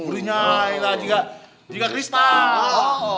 berlian lah jika kristal